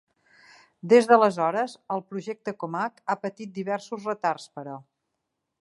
Des d'aleshores, el projecte Comac ha patit diversos retards però.